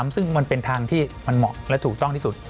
ซึ่งมันเป็นทางที่มันเหมาะและถูกต้องที่สุด